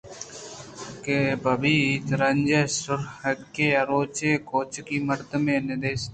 کہ بہ بیت رَنجے سُہر ءِہَئیک یک روچے کُوچگی مردمے ءَ دیست